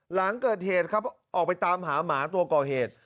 หลังเกิดเหตุครับออกไปตามหาหมาตัวก่อเหตุ